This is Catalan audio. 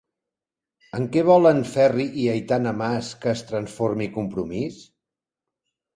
En què volen Ferri i Aitana Mas que es transformi Compromís?